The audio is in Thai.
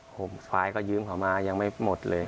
ผมควายก็ยืมเขามายังไม่หมดเลย